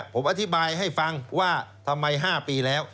ผมอธิบายให้ฟังว่าทำไม๕ปีแล้ว